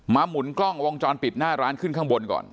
หมุนกล้องวงจรปิดหน้าร้านขึ้นข้างบนก่อน